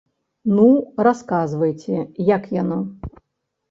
Ну, расказвайце, як яно.